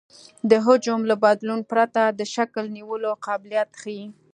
د حجم له بدلون پرته د شکل نیولو قابلیت ښیي